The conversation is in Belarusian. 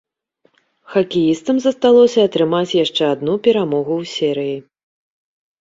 Хакеістам засталося атрымаць яшчэ адну перамогу ў серыі.